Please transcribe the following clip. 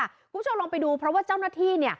คุณผู้ชมลองไปดูเพราะว่าเจ้าหน้าที่เนี่ย